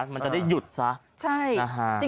มันจะได้หยุดซะนะฮะ